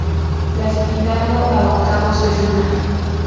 Clasificando a octavos de final.